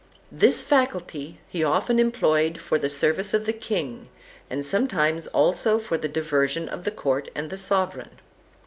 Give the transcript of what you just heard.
This faculty he often employed for the service of the king, and sometimes also for the diversion of the court and the sovereign.